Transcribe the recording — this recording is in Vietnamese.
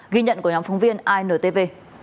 ghi nhận của nhóm phóng viên intv